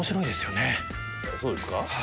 そうですか？